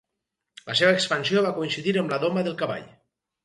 La seva expansió va coincidir amb la doma del cavall.